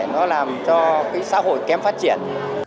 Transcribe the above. nó làm cho xã hội kém phát triển